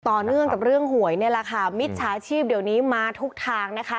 ต่อเนื่องจากเรื่องหวยมิทชาชีพเดี๋ยวนี้มาทุกทาง